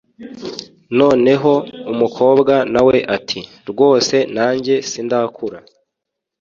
noneho umukobwa na we ati 'rwose nanjye sindakura